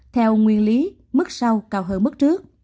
theo nguyên lý mức sau cao hơn mức trước